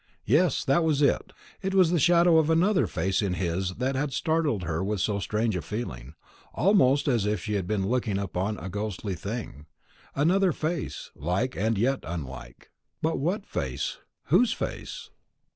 Yes, that was it. It was the shadow of another face in his that had startled her with so strange a feeling, almost as if she had been looking upon some ghostly thing. Another face, like and yet unlike. But what face? whose face?